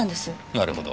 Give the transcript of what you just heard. なるほど。